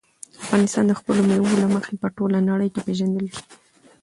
افغانستان د خپلو مېوو له مخې په ټوله نړۍ کې پېژندل کېږي.